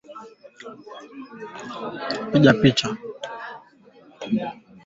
Huku eneo hilo likiendelea kutikiswa na tatizo la uviko kumi na tisa katika kufufua uchumi wa taifa